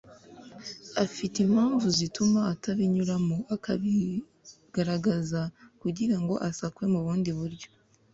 ufite impamvu zituma atabinyuramo akabigaragaza kugira ngo asakwe mu bundi buryo